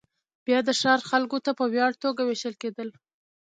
بیا د ښار خلکو ته په وړیا توګه وېشل کېدل